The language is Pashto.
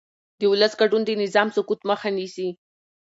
د ولس ګډون د نظام سقوط مخه نیسي